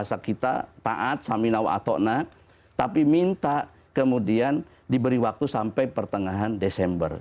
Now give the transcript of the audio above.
bahasa kita taat samina watokna tapi minta kemudian diberi waktu sampai pertengahan desember